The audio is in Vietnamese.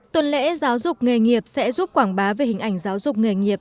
tuần lễ giáo dục nghề nghiệp sẽ giúp quảng bá về hình ảnh giáo dục nghề nghiệp